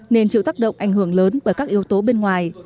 nên chịu tác động ảnh hưởng lớn bởi các yếu tố bên ngoài